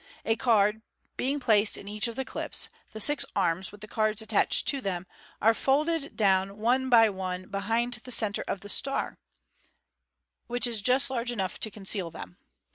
A card being placed in each of the clips, the sii MODERN MAGIC. 455 arms, with the cards attached to them, are folded down one by one be hind the centre of the star, which is just large enough to conceal them.